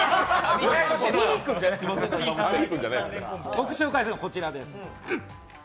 僕が紹介するのはこちらです。